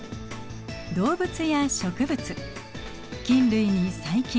動物や植物菌類に細菌。